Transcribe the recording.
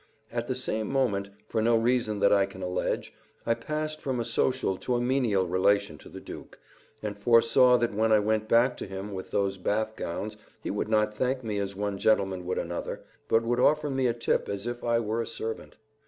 At the same moment, for no reason that I can allege, I passed from a social to a menial relation to the Duke, and foresaw that when I went back to him with those bath gowns he would not thank me as one gentleman would another, but would offer me a tip as if I were a servant.